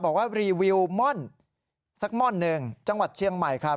บอกว่ารีวิวม่อนสักม่อนหนึ่งจังหวัดเชียงใหม่ครับ